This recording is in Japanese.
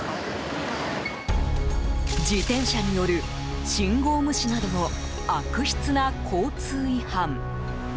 自転車による信号無視などの悪質な交通違反。